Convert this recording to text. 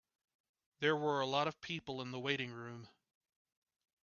There were a lot of people in the waiting room.